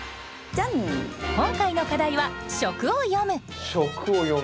今回の課題は「食を詠む」。